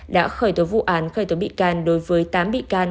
đã khởi tố vụ án khởi tố bị can đối với tám bị can